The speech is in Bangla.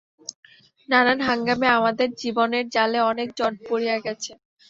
নানান হাঙ্গামে আমাদের জীবনের জালে অনেক জট পড়িয়া গেছে।